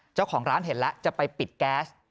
เจ้าของร้านเห็นแล้วจะไปปิดแก๊ส